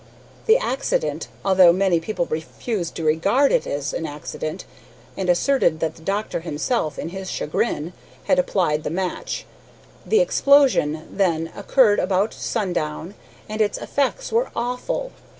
The accident although many people refused to regard it as an accident, and asserted that the doctor himself, in his chagrin, had applied the match the explosion, then, occurred about sundown, and its effects were awful.